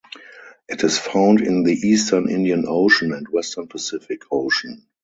It is found in the eastern Indian Ocean and western Pacific Ocean.